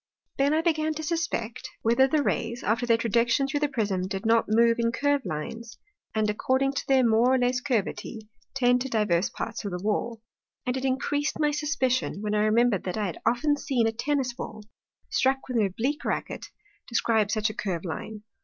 Then I began to suspect, whether the Rays, after their Trajection through the Prism, did not move in curve Lines, and according to their more or less Curvity, tend to divers parts of the Wall. And it increas'd my suspicion, when I remember'd that I had often seen a Tennis Ball, struck with an oblique Racket, describe such a curve Line.